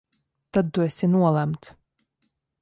Tad tu esi nolemts!